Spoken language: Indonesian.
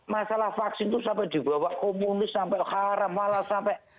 masalah vaksin itu sampai di bawah komunis sampai haram malah sampai